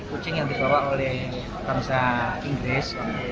kucing yang dibawa oleh bangsa inggris